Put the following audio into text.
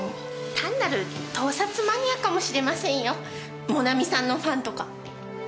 単なる盗撮マニアかもしれませんよ。もなみさんのファンとか。